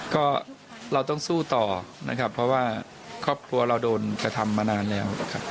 ก็เราต้องสู้ต่อนะครับเพราะว่าครอบครัวเราโดนกระทำมานานแล้วครับ